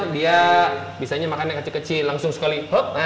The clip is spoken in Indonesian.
dia biasanya makan yang kecil kecil langsung sekali